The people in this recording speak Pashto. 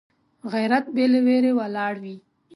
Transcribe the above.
غیرت بې له ویرې ولاړ وي